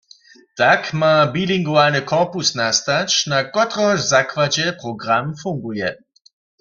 Tak ma bilingualny korpus nastać, na kotrehož zakładźe program funguje.